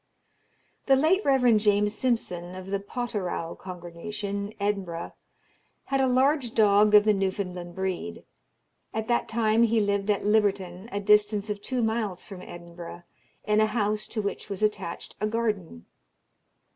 The late Rev. James Simpson, of the Potterrow congregation, Edinburgh, had a large dog of the Newfoundland breed. At that time he lived at Libberton, a distance of two miles from Edinburgh, in a house to which was attached a garden.